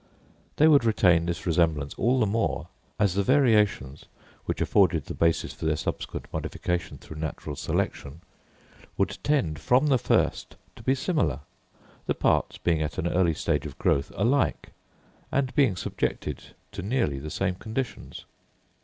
They would retain this resemblance all the more, as the variations, which afforded the basis for their subsequent modification through natural selection, would tend from the first to be similar; the parts being at an early stage of growth alike, and being subjected to nearly the same conditions.